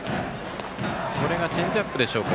チェンジアップでしょうか。